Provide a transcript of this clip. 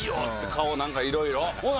顔何かいろいろ。